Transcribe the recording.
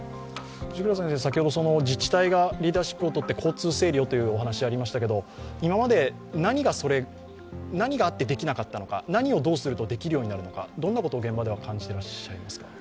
自治体がリーダーシップをとって交通整理をというお話がありましたけど今まで何があってできなかったのか、何をどうするとできるようになるのかどんなことを現場では感じていらっしゃいますか？